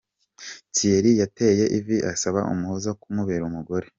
Thierry yateye ivi asaba Umuhoza kumubera umugore.